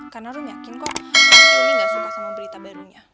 karena rom yakin kok umi gak suka sama berita barunya